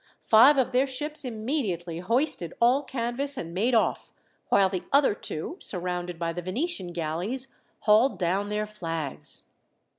Five of their ships immediately hoisted all canvas and made off, while the other two, surrounded by the Venetian galleys, hauled down their flags.